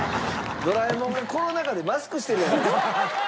ドラえもんがコロナ禍でマスクしてるやないですか。